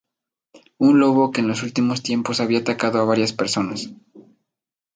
Un lobo que en los últimos tiempos había atacado a varias personas.